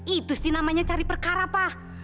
itu sih namanya cari perkara pak